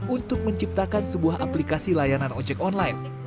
untuk menciptakan sebuah aplikasi layanan ojek online